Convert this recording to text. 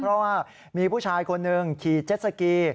เพราะว่ามีผู้ชายคนหนึ่งขี่เจ็ดสกี